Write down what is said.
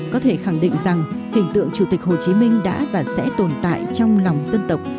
có thể khẳng định rằng hình tượng chủ tịch hồ chí minh đã và sẽ tồn tại trong lòng dân tộc